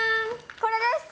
これです。